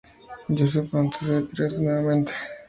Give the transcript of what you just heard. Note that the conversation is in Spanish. Joseph antes de retirarse nuevamente.